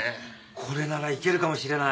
これならいけるかもしれない。